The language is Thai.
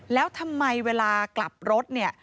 แล้วทำไมเวลากลับรถเนี่ย